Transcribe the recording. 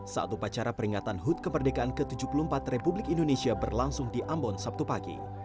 saat upacara peringatan hud kemerdekaan ke tujuh puluh empat republik indonesia berlangsung di ambon sabtu pagi